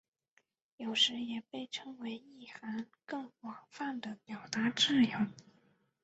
有时也被称为意涵更广泛的表达自由。